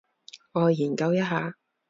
我去研究一下